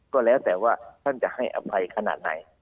ก็แล้วแต่ว่าท่านจะให้อภัยขนาดไหน